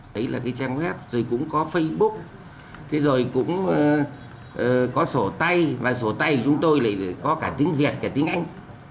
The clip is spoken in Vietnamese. đấy là trang web rồi cũng có facebook rồi cũng có sổ tay và sổ tay của chúng tôi có cả tiếng việt cả tiếng anh